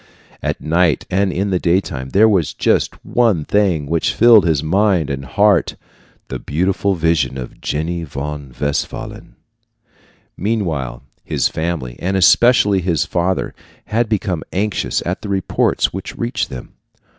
At night and in the daytime there was just one thing which filled his mind and heart the beautiful vision of Jenny von Westphalen. Meanwhile his family, and especially his father, had become anxious at the reports which reached them.